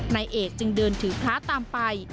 นายเอกจึงเดินถือพระตามไป